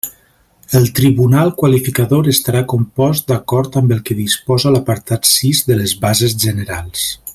El tribunal qualificador estarà compost d'acord amb el que disposa l'apartat sis de les bases generals.